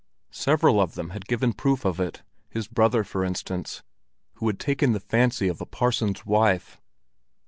Several of them had given proof of it—his brother, for instance, who had taken the fancy of a parson's wife.